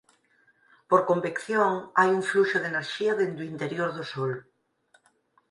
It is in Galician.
Por convección hai un fluxo de enerxía dende o interior do sol.